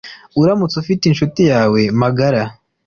uramutse ufite inshuti yawe magara